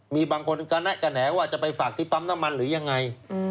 มีบางคนกระแนะกระแหนว่าจะไปฝากที่ปั๊มน้ำมันหรือยังไง